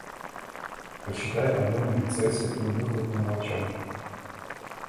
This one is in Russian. Рассчитай, обдумай, нацелься — и иди хоть по мелочам.